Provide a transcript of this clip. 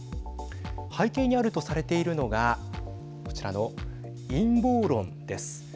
背景にあるとされているのがこちらの陰謀論です。